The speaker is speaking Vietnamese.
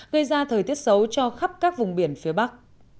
gây ra thời tiết xấu cho khắp các vùng biển phía bắc